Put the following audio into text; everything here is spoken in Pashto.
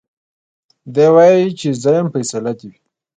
دی وايي چي زه يم فيصلې دي وي